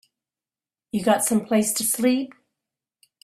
You got someplace to sleep?